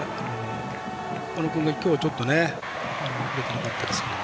小野君が今日ちょっとよくなかったですけどね。